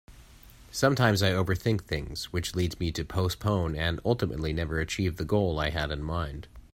Sometimes I overthink things which leads me to postpone and ultimately never achieve the goal I had in mind.